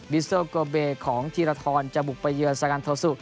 บิสเตอร์โกเบของทีระทรจะบุกไปเยือนสงันโทสุ